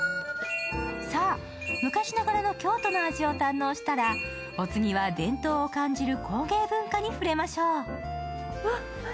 さあ、昔ながらの京都の味を堪能したら、お次は伝統を感じる工芸文化に触れましょう。